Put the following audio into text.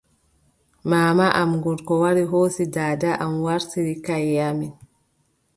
Maama am gorko wari hoosi daada am waartiri kayye amin.